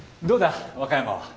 和歌山は。